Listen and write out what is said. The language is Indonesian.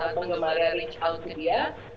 pada saat penggemarnya reach out ke dia